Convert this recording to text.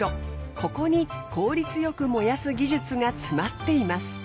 ここに効率よく燃やす技術が詰まっています。